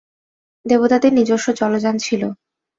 দেবতাদের নিজস্ব জলযান ছিল।